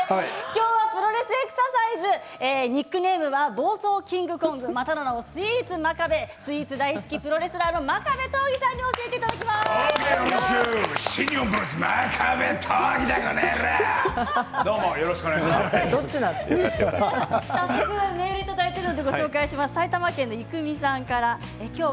今日はプロレスエクササイズニックネームは暴走キングコングまたの名をスイーツ真壁スイーツ大好きプロレスラーの真壁刀義さんに教えていただき真壁刀義だ、この野郎！